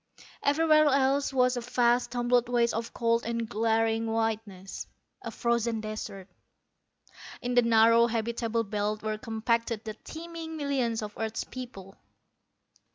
Everywhere else was a vast tumbled waste of cold and glaring whiteness, a frozen desert. In the narrow habitable belt were compacted the teeming millions of earth's peoples.